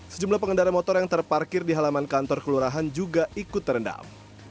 sejumlah pengendara motor yang terparkir di halaman kantor kelurahan juga ikut terendam